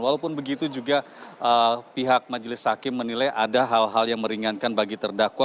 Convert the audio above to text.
walaupun begitu juga pihak majelis hakim menilai ada hal hal yang meringankan bagi terdakwa